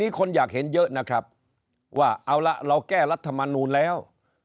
คนอยากเห็นเยอะนะครับว่าเอาละเราแก้รัฐมนูลแล้ว